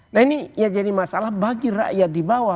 nah ini ya jadi masalah bagi rakyat di bawah